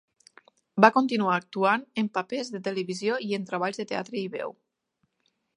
Va continuar actuant en papers de televisió i en treballs de teatre i veu.